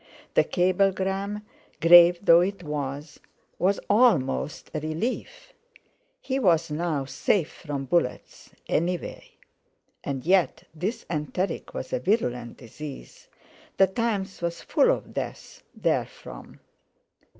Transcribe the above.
The cablegram, grave though it was, was almost a relief. He was now safe from bullets, anyway. And yet—this enteric was a virulent disease! The Times was full of deaths therefrom.